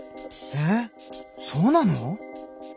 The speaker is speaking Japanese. えっそうなの！？